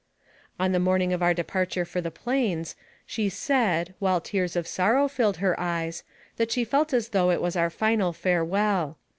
On the morning of our departure for the plains, she said (while tears of sorrow filled her eyes) that she felt as though it was our final farewell.